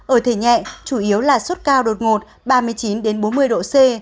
ở thể nhẹ chủ yếu là suốt cao đột ngột ba mươi chín đến bốn mươi độ c